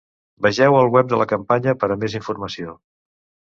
Vegeu el web de la campanya per a més informació.